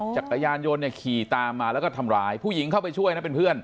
จักรยานยนต์เนี่ยขี่ตามมาแล้วก็ทำร้ายผู้หญิงเข้าไปช่วยนะเป็นเพื่อน